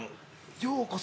◆ようこそ